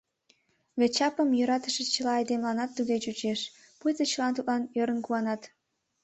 Вет чапым йӧратыше чыла айдемыланат туге чучеш, пуйто чылан тудлан ӧрын куанат.